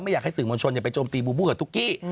อยากให้สื่อมวลชนไปโจมตีบูบูกับตุ๊กกี้